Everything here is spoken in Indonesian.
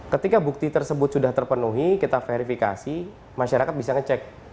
ketika bukti tersebut sudah terpenuhi kita verifikasi masyarakat bisa ngecek